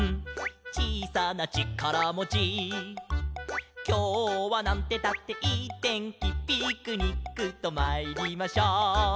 「ちいさなちからもち」「きょうはなんてったっていいてんき」「ピクニックとまいりましょう」